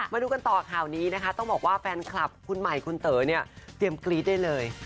มาดูกันต่อข่าวนี้นะคะต้องบอกว่าแฟนคลับคุณใหม่คุณเต๋อเนี่ยเตรียมกรี๊ดได้เลย